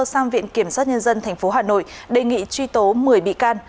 sang viện kiểm sát nhân dân tp hà nội đề nghị truy tố một mươi bị can